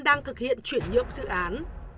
đang thực hiện chuyển nhượng dự án